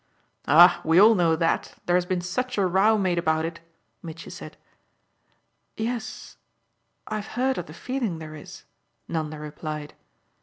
"Ah we all know that there has been such a row made about it!" Mitchy said. "Yes, I've heard of the feeling there is," Nanda replied.